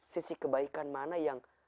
sisi kebaikan mana yang